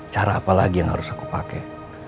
cara apa lagi yang harus aku pakai